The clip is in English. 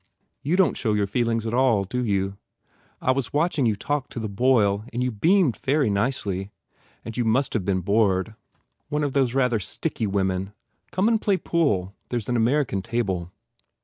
You don t show your feelings at all, do you? I was watching you talk to the Boyle and you beamed very nicely. And you must have been bored. One of those rather sticky women. Come and play pool. There s an American table."